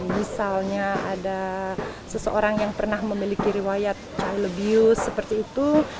misalnya ada seseorang yang pernah memiliki riwayat chil abuse seperti itu